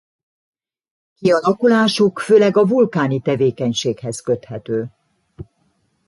Kialakulásuk főleg a vulkáni tevékenységhez köthető.